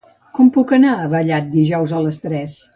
Com puc anar a Vallat dijous a les tres?